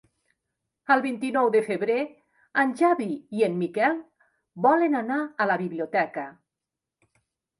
El vint-i-nou de febrer en Xavi i en Miquel volen anar a la biblioteca.